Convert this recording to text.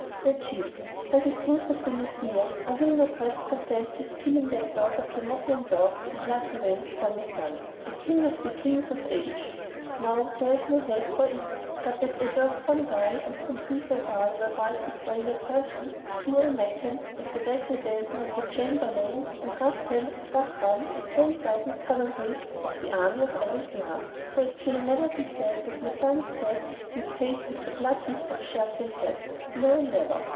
Said she, "By the truth of the Messiah, I will not rest content with killing that dog of the Moslem dogs in blood revenge for my son, a King of the Kings of the age! Now there is no help for it but that I work some guile and I contrive a wile whereby to slay the Sultan Zau al Makan and the Wazir Dandan and the Chamberlain and Rustam and Bahram and ten thousand cavaliers of the army of Al Islam; for it shall never be said that my son's head be paid with the bloodwit of Sharrkan's head; no, never!"